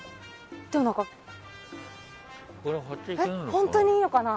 本当にいいのかな。